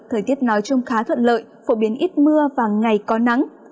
thời tiết nói chung khá thuận lợi phổ biến ít mưa và ngày có nắng